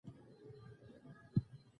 مډرن فهم ځینې اصول او اساسات لري.